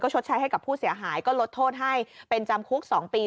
ชดใช้ให้กับผู้เสียหายก็ลดโทษให้เป็นจำคุก๒ปี